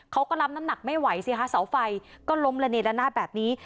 เขาก็รับน้ำหนักไม่ไหวสิคะเสาไฟก็ล้มระเนละนาดแบบนี้